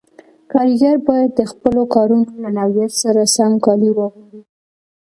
کاریګر باید د خپلو کارونو له نوعیت سره سم کالي واغوندي.